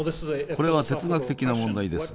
これは哲学的な問題です。